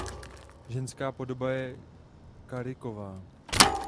Ženská podoba je Kariková.